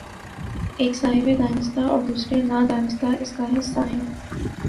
ایک صاحب دانستہ اور دوسرے نادانستہ اس کا حصہ ہیں۔